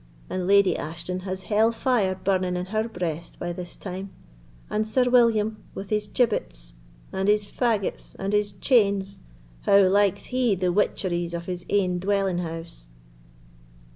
And Lady Ashton has hell fire burning in her breast by this time; and Sir William, wi' his gibbets, and his faggots, and his chains, how likes he the witcheries of his ain dwelling house?"